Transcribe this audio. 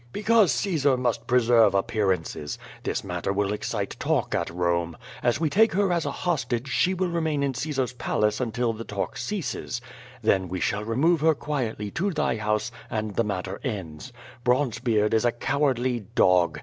"Because Caesar must preserve appearances. This matter will excite talk at Borne. As we take her as a hostage she QUO VADIfi, 47 will remain in Caesar's palace until the talk ceases. Then we shall remove her quietly to thy house and the matter ends. Bronzebeard is a cowardly dog.